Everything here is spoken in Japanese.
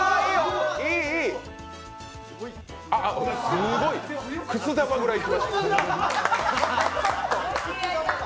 すごい、くす玉ぐらいいきました。